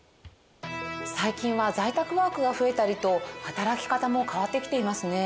最近は在宅ワークが増えたりと働き方も変わってきていますね。